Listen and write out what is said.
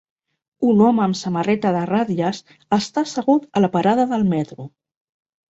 Un home amb samarreta de ratlles està assegut a la parada del metro.